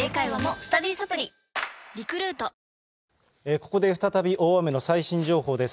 ここで再び、大雨の最新情報です。